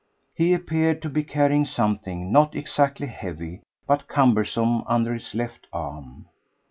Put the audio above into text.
He appeared to be carrying something, not exactly heavy, but cumbersome, under his left arm.